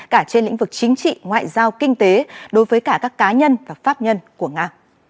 cả trên lĩnh vực chính trị ngoại giao kinh tế đối với cả các cá nhân và pháp nhân của nga